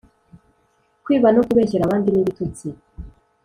kwiba no kubeshyera abandi n’ibitutsi